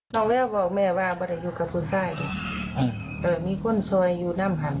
เมื่อยละไม่อยากคุยไม่อยากพูดอะไรละ